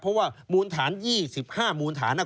เพราะว่ามูลฐาน๒๕มูลฐาน